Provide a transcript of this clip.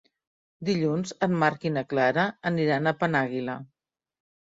Dilluns en Marc i na Clara aniran a Penàguila.